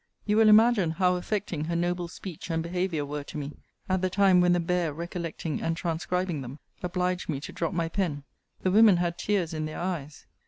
] You will imagine how affecting her noble speech and behaviour were to me, at the time when the bare recollecting and transcribing them obliged me to drop my pen. The women had tears in their eyes.